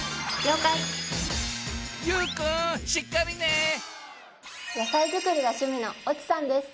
野菜づくりが趣味の越智さんです。